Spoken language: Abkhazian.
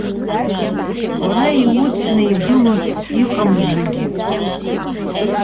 Уара иуцны игылон иҟамзыгьы.